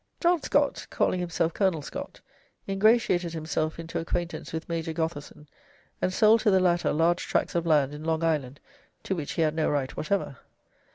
John Scott (calling himself Colonel Scott) ingratiated himself into acquaintance with Major Gotherson, and sold to the latter large tracts of land in Long Island, to which he had no right whatever.